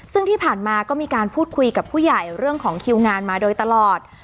ซึ่งที่ผ่านมาก็มีการพูดคุยกับผู้ใหญ่เรื่องของคิวงานมาโดยตลอด